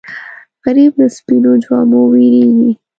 غریب له سپینو جامو وېرېږي